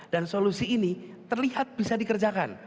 dan solusi ini terlihat bisa dikerjakan